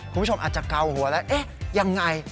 คุณผู้ชมอาจจะเกาหัวแล้วเอ๊ะยังไง